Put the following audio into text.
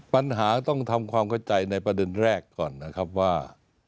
ปัญหาต้องทำความเข้าใจในประเด็นแรกก่อนนะครับว่า